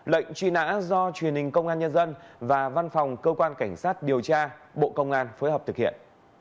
lệnh truy nã do truyền hình công an nhân dân và văn phòng cơ quan cảnh sát điều tra bộ công an phối hợp thực hiện